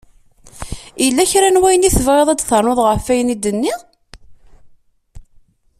Yella kra n wayen i tebɣiḍ ad d-ternuḍ ɣef ayen i d-nniɣ?